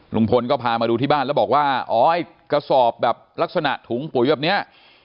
ลุงพลก็พามาดูที่บ้านแล้วบอกว่าอ๋อไอ้กระสอบแบบลักษณะถุงปุ๋ยแบบนี้